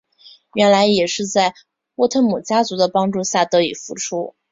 后来也是在沃特姆家族的帮助下得以复出。